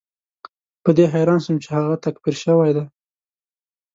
په دې حیران شوم چې هغه تکفیر شوی دی.